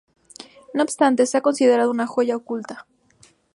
No obstante, se ha considerado una joya oculta.